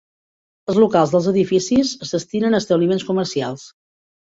Els locals dels edificis es destinen a establiments comercials.